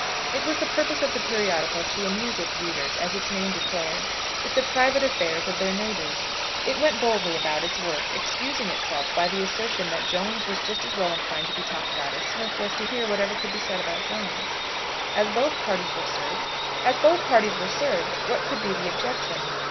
It was the purpose of the periodical to amuse its readers, as its name declared, with the private affairs of their neighbours. It went boldly about its work, excusing itself by the assertion that Jones was just as well inclined to be talked about as Smith was to hear whatever could be said about Jones. As both parties were served, what could be the objection?